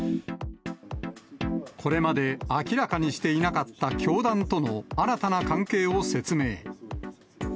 これまで明らかにしていなかった教団との新たな関係を説明。